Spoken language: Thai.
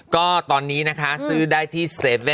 ก็ตอนนี้นะคะซื้อได้ที่๗เล่น